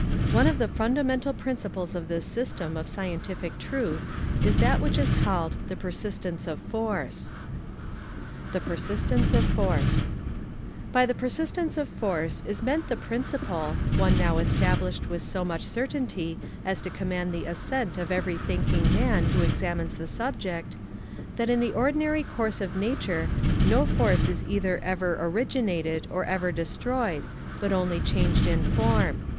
One of the fundamental principles of this system of scientific truth is that which is called the persistence of force. The Persistence of Force. By the persistence of force is meant the principle one now established with so much certainty as to command the assent of every thinking man who examines the subject that in the ordinary course of nature no force is either ever originated or ever destroyed, but only changed in form.